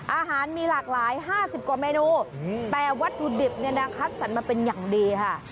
อาหารมีหลากหลาย๕๐กว่าเมนูแต่วัตถุดิบเนี่ยนะคัดสรรมาเป็นอย่างดีค่ะ